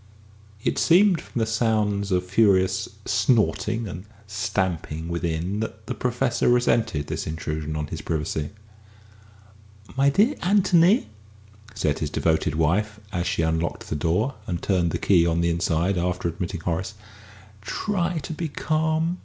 It seemed from the sounds of furious snorting and stamping within, that the Professor resented this intrusion on his privacy. "My dear Anthony," said his devoted wife, as she unlocked the door and turned the key on the inside after admitting Horace, "try to be calm.